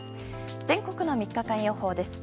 全国の３日間予報です。